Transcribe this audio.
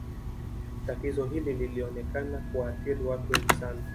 Tatizo hili lilionekana kuwaathiri watu wengi sana